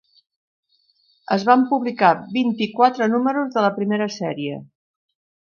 Es van publicar vint-i-quatre números de la primera sèrie.